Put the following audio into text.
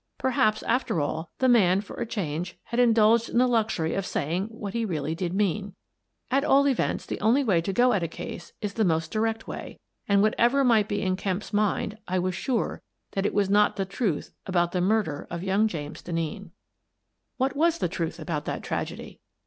Perhaps, after all, the man, for a change, had indulged in the luxury of saying what he really did mean. At all events, the only way to go at a case is the most direct way, and, whatever might be in Kemp's mind, I was sure that it was not the truth about the murder of young James Denneen. What was the truth about that tragedy?